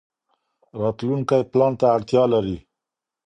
راتلونکی پلان ته اړتیا لري.